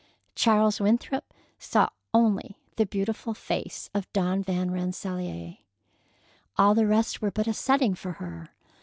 Charles Winthrop saw only the beautiful face of Dawn Van Rensselaer. All the rest were but a setting for her.